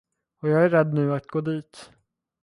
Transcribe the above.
Och jag är rädd nu att gå dit.